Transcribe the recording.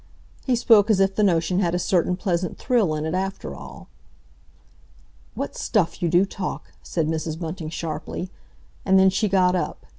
He spoke as if the notion had a certain pleasant thrill in it after all. "What stuff you do talk!" said Mrs. Bunting sharply. And then she got up.